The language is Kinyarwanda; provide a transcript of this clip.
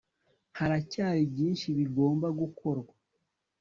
haracyari byinshi bigomba gukorwa